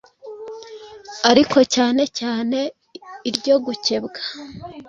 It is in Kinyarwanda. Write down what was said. ariko cyane cyane iryo gukebwa